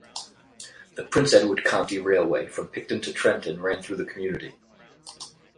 The Prince Edward County Railway from Picton to Trenton ran through the community.